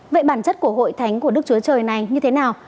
vậy bản chất của hội thánh của đức chúa trời này như thế nào